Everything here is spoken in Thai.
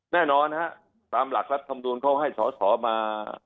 แน่นอนฮะตามหลักรัฐธรรมนูลเขาให้สอสอมา